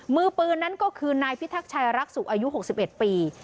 มือปืนนั้นก็คือนายพิทักษ์ชัยรักษุอายุ๖๑ปี